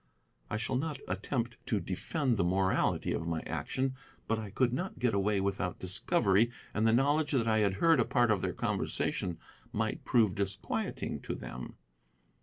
I shall not attempt to defend the morality of my action, but I could not get away without discovery, and the knowledge that I had heard a part of their conversation might prove disquieting to them.